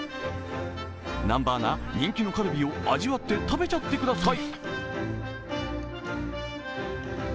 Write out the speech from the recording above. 南波アナ、人気のカルビを味わって食べちゃってください！